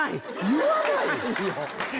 言わないよ。